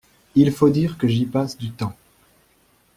Il faut dire que j’y passe du temps.